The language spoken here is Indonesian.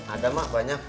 ada mak banyak